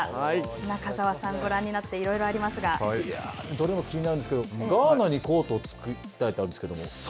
中澤さん、ご覧になって、いろいどれも気になるんですけれども、ガーナにコートを作りたいってあるんですけれども。